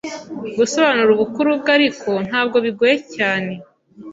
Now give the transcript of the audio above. gusobanura ubukuru bwe ariko ntabwo bigoye cyane